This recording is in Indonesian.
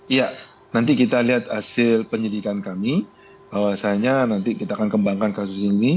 iya nanti kita lihat hasil penyidikan kami bahwasannya nanti kita akan kembangkan kasus ini